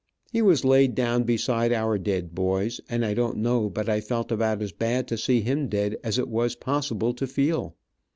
He was laid down beside our dead boys, and I don't know but I felt about as bad to see him dead, as it was possible to feel.